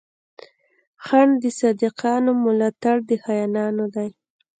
خنډ د صادقانو، ملا تړ د خاينانو دی